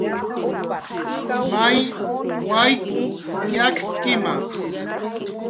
"May wayt""w yakkima "